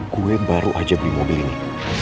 gue yang baru aja beli mobil ini